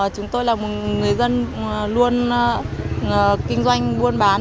chúng tôi là một người dân luôn kinh doanh buôn bán